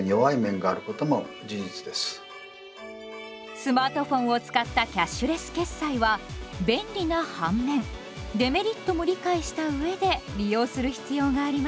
スマートフォンを使ったキャッシュレス決済は便利な反面デメリットも理解したうえで利用する必要がありますね。